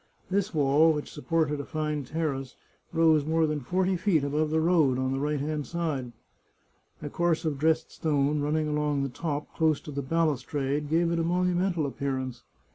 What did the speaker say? This wall, which supported a fine terrace, rose more than forty feet above the road, on the right hand side. A course of dressed stone, running along the top, close to the balustrade, gave it a monumental appearance.